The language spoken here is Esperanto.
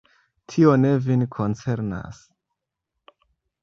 Tio ne vin koncernas.